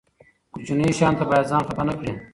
کوچنیو شیانو ته باید ځان خپه نه کړي.